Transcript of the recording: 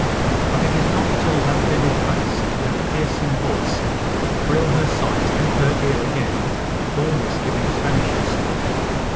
But it is not till that vivid face and that piercing voice thrill her sight and her ear again that all misgiving vanishes.